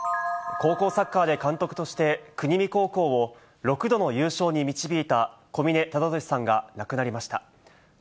高校サッカーで監督として、国見高校を６度の優勝に導いた小嶺忠敏さんが亡くなりました。